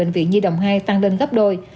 các ca f tại bệnh viện di đồng hai tăng lên gấp đôi